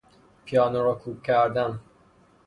پیانو را کوک کردن